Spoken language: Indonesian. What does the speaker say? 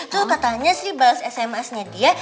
tuh katanya sri bales sms nya dia